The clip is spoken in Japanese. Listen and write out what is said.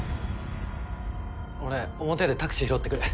俺表でタクシー拾ってくる。